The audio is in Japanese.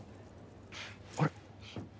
あれ？